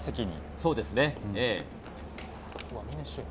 そうですね。